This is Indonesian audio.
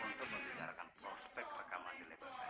untuk membicarakan prospek rekaman di label saya